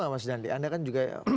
nggak mas nandy anda kan juga